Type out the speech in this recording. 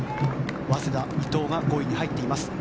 早稲田、伊藤が５位に入っています。